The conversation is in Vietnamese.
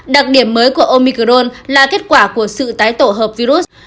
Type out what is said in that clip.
đặc điểm mới của omicron là kết quả của sự tái tổ hợp virus